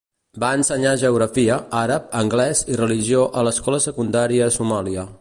Va ensenyar geografia, àrab, anglès i religió a l'escola secundària a Somàlia.